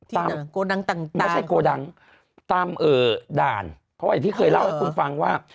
ไม่ใช่โกดังตามด่านเพราะว่าอย่างที่เคยเล่าให้คุณฟังว่า